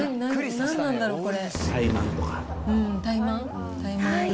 何なんだろう、これ。